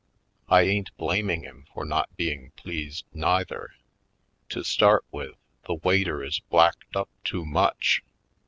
I ain't blaming him for not being pleased, neither. To start with, the waiter is blacked up too much.